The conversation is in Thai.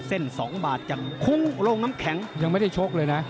เส้นสองบาทจากคุ้งโรงน้ำแข็งยังไม่ได้โชคเลยน่ะ